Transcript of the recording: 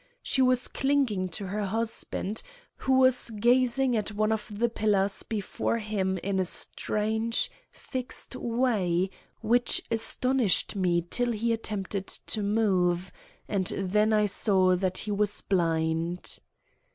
She was clinging to her husband, who was gazing at one of the pillars before him in a strange, fixed way which astonished me till he attempted to move, and then I saw that he was blind.